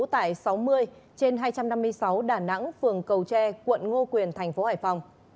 tại sáu mươi trên hai trăm năm mươi sáu đà nẵng phường cầu tre quận ngô quyền thành phố hải phòng